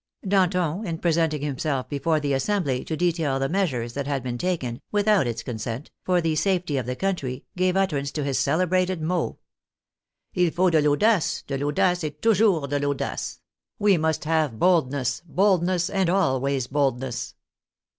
Danton, in presenting himself before the As sembly to detail the measures that had been taken (with out its consent) for the safety of the country, gave ut terance to his celebrated mot: — "II faut de I'aiidace, de Vaiidace, et ton jours de Vaudace'* (we must have bold ness, boldness, and always boldness).